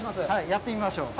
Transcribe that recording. やってみましょう。